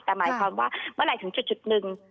แต่หมายความว่าเมื่อไหร่ถึงจุดหนึ่ง